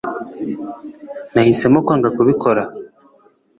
nahisemo kwanga kubikora